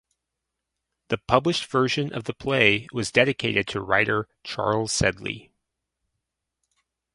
The published version of the play was dedicated to the writer Charles Sedley.